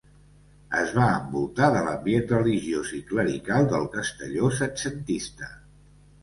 Es va envoltar de l'ambient religiós i clerical del Castelló setcentista.